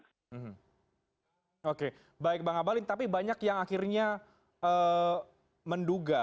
hmm oke baik bang abalin tapi banyak yang akhirnya menduga